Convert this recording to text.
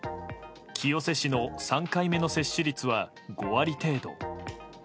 清瀬市の３回目の接種率は５割程度。